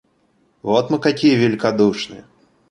Вот мы какие великодушные!